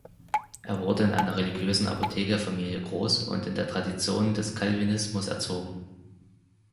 Er wurde in einer religiösen Apothekerfamilie groß und in der Tradition des Calvinismus erzogen.